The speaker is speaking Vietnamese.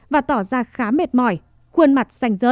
và tỏ ra khá mệt mỏi khuôn mặt xanh rớt